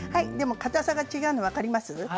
かたさが違うのが分かりますね。